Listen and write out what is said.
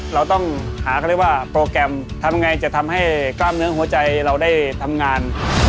เราต้องหาเขาเรียกว่าโปรแกรมทำไงจะทำให้กล้ามเนื้อหัวใจเราได้ทำงาน